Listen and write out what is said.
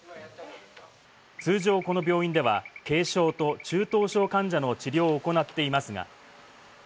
通常、この病院では軽症と中等症患者の治療を行っていますが。